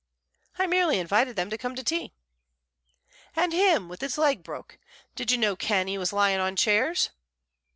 "I merely invited them to come to tea." "And him wi' his leg broke! Did you no ken he was lying on chairs?"